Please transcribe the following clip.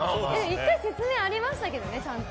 １回説明ありましたけどねちゃんと。